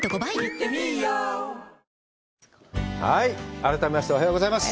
改めまして、おはようございます。